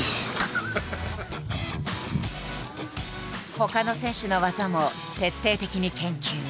ほかの選手の技も徹底的に研究。